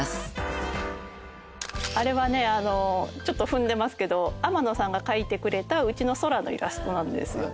あれはねちょっと踏んでますけど天野さんが描いてくれたうちのそらのイラストなんですよ。